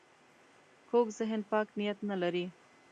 کوږ ذهن پاک نیت نه لري